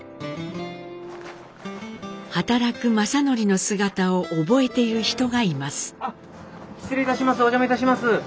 働く正徳の姿を覚えている人がいます。